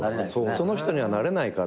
その人にはなれないから。